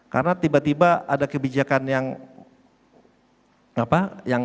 karena tiba tiba ada kebijakan